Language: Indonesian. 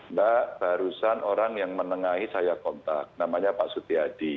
mbak barusan orang yang menengahi saya kontak namanya pak sutiadi